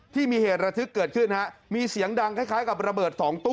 ที่มีเหตุระทึกเกิดขึ้นฮะมีเสียงดังคล้ายกับระเบิด๒ตู้